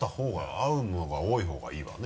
合うのが多いほうがいいわね